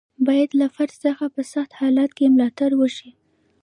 باید له فرد څخه په سخت حالت کې ملاتړ وشي.